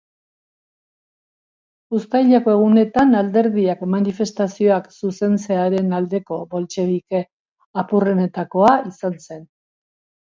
Uztaileko Egunetan, alderdiak manifestazioak zuzentzearen aldeko boltxebike apurrenetakoa izan zen.